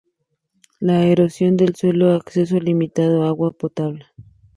La erosión del suelo; acceso limitado a agua potable